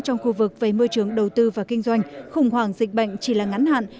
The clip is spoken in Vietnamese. trong khu vực về môi trường đầu tư và kinh doanh khủng hoảng dịch bệnh chỉ là ngắn hạn